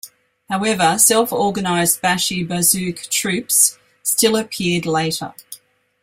However, self-organized bashi-bazouk troops still appeared later.